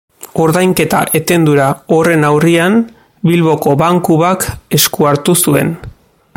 Ordainketa-etendura horren aurrean, Bilboko Bankuak esku hartu zuen.